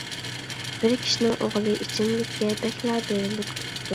بىر كىشىنىڭ ئوغلى ئىچىملىككە بەكلا بېرىلىپ كېتىپتۇ.